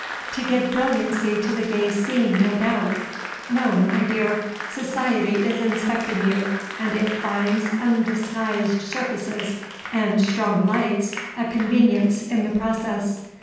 To give brilliancy to the gay scene, no doubt! No, my clear! Society is inspecting you, and it finds undisguised surfaces and strong lights a convenience in the process.